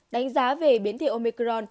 đánh giá về biến thiệu omicron